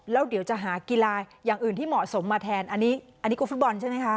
แล้วเดี๋ยวจะหากีฬาอย่างอื่นที่เหมาะสมมาแทนอันนี้อันนี้กูฟุตบอลใช่ไหมคะ